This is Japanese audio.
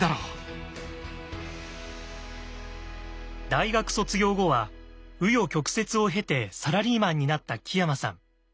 大学卒業後は紆余曲折を経てサラリーマンになった木山さん。